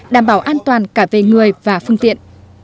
đảm bảo an toàn cả về người và phương tiện